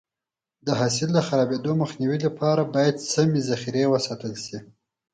د حاصل د خرابېدو مخنیوي لپاره باید سمې ذخیره وساتل شي.